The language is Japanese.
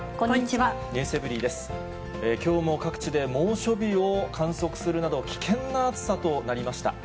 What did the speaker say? きょうも各地で猛暑日を観測するなど、危険な暑さとなりました。